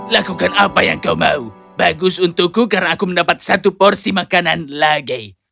lakukan apa yang kau mau bagus untukku karena aku mendapat satu porsi makanan lagi